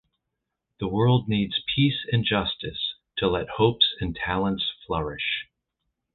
The world needs peace and justice to let hopes and talents flourish.